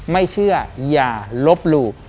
ไม่เชื่ออย่าลบหลู่